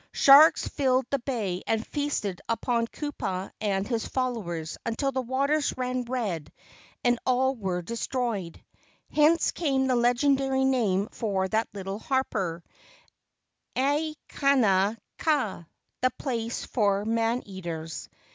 Sharks filled the bay and feasted upon Kupa and his followers until the waters ran red and all were destroyed. Hence came the legendary name for that little harbor—Aikanaka, the place for man eaters.